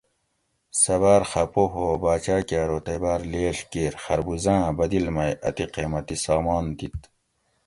سہۤ باۤر خپہ ہو باۤچاۤ کہۤ ارو تئ باۤر لیڷ کِیر خربوزاۤ آۤں بدل مئ اتی قیمتی سامان دِت